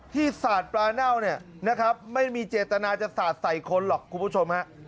สาดปลาเน่าเนี่ยนะครับไม่มีเจตนาจะสาดใส่คนหรอกคุณผู้ชมฮะ